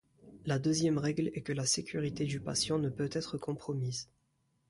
La deuxième règle est que la sécurité du patient ne peut être compromise.